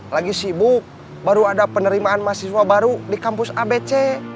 lagi sibuk baru ada penerimaan mahasiswa baru di kampus abc